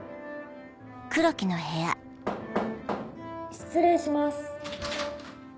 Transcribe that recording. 失礼します。